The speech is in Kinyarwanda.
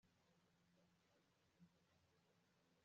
Ntawabura kuvuga ko igihe ari amafaranga